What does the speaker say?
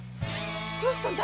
どうしたの？